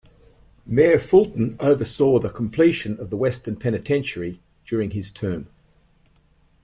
Mayor Fulton oversaw the completion of the Western Penitentiary during his term.